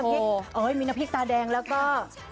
แม่แม่ไม่มีใครเล่นแก้นฝาก